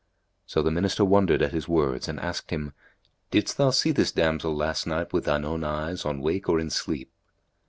So the Minister wondered at his words and asked him, "Didst thou see this damsel last night with shine own eyes on wake or in sleep?"